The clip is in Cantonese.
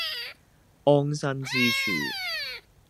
安身之處